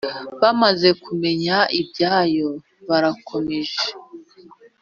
Bamaze kumenya ibyayo Barakomeje.